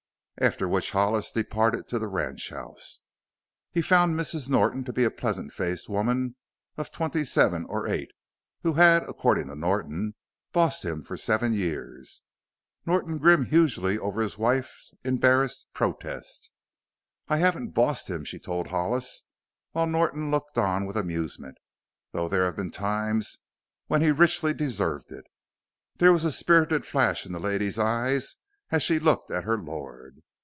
After which Hollis departed to the ranchhouse. He found Mrs. Norton to be a pleasant faced woman of twenty seven or eight, who had according to Norton "bossed him for seven years." Norton grinned hugely over his wife's embarrassed protest. "I haven't 'bossed' him," she told Hollis, while Norton looked on with amusement, "though there have been times when he richly deserved it." There was a spirited flash in the lady's eyes as she looked at her lord.